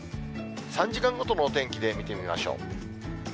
３時間ごとのお天気で見てみましょう。